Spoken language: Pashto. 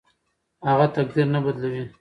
هڅه تقدیر نه بدلوي.